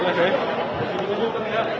ya selamat berjalan